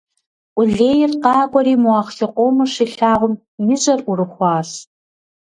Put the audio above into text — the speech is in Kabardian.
Къулейр къакӀуэри мо ахъшэ къомыр щилъагъум и жьэр Ӏурыхуащ.